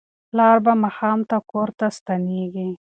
پلار به ماښام کور ته ستنیږي.